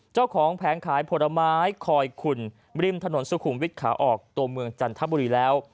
แผงขายผลไม้คอยขุ่นริมถนนสุขุมวิทย์ขาออกตัวเมืองจันทบุรีแล้ว